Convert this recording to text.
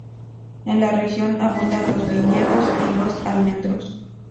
En la región abundan los viñedos y los almendros.